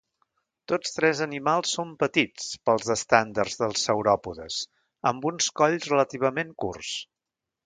Tots tres animals són petits pels estàndards dels sauròpodes, amb uns colls relativament curts.